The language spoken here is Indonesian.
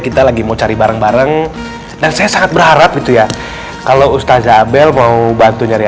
kita lagi mau cari bareng bareng dan saya sangat berharap gitu ya kalau ustazah abel mau bantu nyari